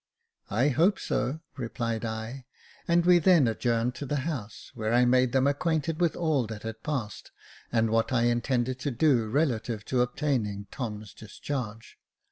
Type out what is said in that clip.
"I hope so," replied I; and we then adjourned to the house, where I made them acquainted with all that had passed, and what I intended to do relative to obtaining Tom's discharge.